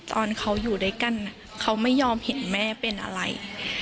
ตอนเขาอยู่ด้วยกันเขาไม่ยอมเห็นแม่เป็นอะไร